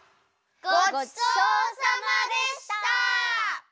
ごちそうさまでした！